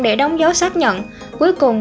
để đóng dấu xác nhận cuối cùng